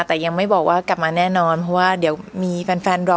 แต่ยังไม่บอกว่ากลับมาแน่นอนเพราะว่าเดี๋ยวมีแฟนรอ